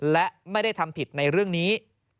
และไม่ได้ทำผิดในเรื่องนี้